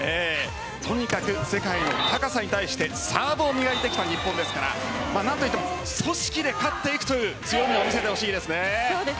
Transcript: とにかく世界の高さに対してサーブを磨いてきた日本ですから何といっても組織で勝っていくという強みをそうですね。